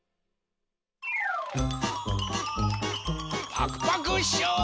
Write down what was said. パクパクショー！